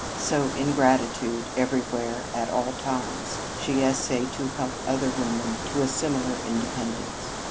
So, in gratitude, everywhere, at all times, she essayed to help other women to a similar independence.